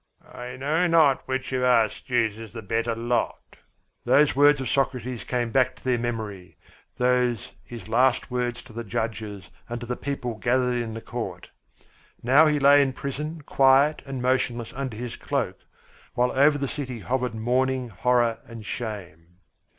"I know not which of us chooses the better lot!" Those words of Socrates came back to their memory, those his last words to the judges and to the people gathered in the court. Now he lay in the prison quiet and motionless under his cloak, while over the city hovered mourning, horror, and shame.